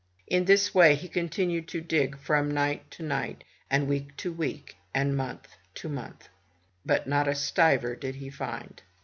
In this way he continued to dig from night to night, and week to week, and month to month, but not a stiver did he find.